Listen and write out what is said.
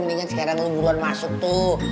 tapi kan sekarang lo buruan masuk tuh